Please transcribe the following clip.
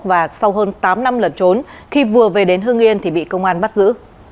và sau hơn tám năm lẩn trốn khi vừa về đến hương yên thì bị công an bắt giữ